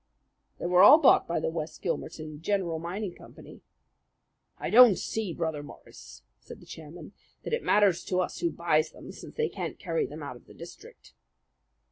"They were all bought by the West Gilmerton General Mining Company." "I don't see, Brother Morris," said the chairman, "that it matters to us who buys them, since they can't carry them out of the district."